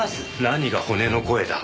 何が骨の声だ。